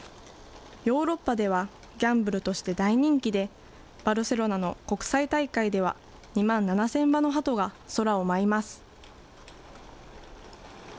ヨーロッパでは、ギャンブルとして大人気で、バルセロナの国際大会では、２万７０００羽のハトが空を舞います。